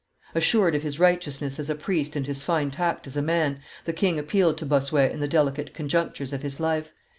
Assured of his righteousness as a priest and his fine tact as a man, the king appealed to Bossuet in the delicate conjunctures of his life.